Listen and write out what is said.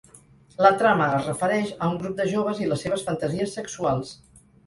La trama es refereix a un grup de joves i les seves fantasies sexuals.